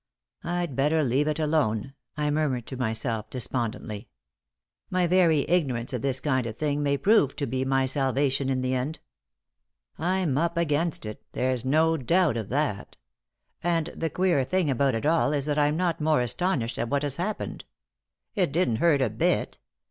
"I'd better leave it alone," I murmured to myself, despondently. "My very ignorance of this kind of thing may prove to be my salvation in the end. I'm up against it, there's no doubt of that. And the queer thing about it all is that I'm not more astonished at what has happened. It didn't hurt a bit!